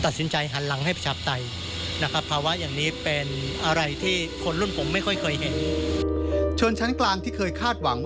ดังนั้นคนเดือนตุลาห์จึงคาดหวัง